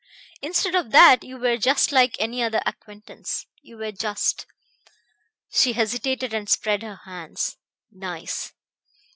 Instead of that you were just like any other acquaintance. You were just" she hesitated and spread her hands "nice.